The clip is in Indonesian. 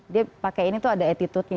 dia pakai ini tuh ada attitude nya